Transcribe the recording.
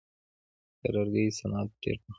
د لرګیو صنعت ډیر پخوانی دی.